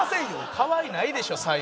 かわいないでしょ白湯。